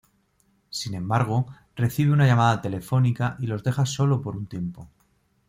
Sin embargo, recibe una llamada telefónica y los deja solo por un tiempo.